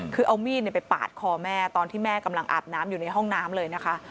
คือเอามีดไปปาดคอแม่ตอนที่แม่กำลังอาบน้ำอยู่ในห้องน้ำเลยนะคะ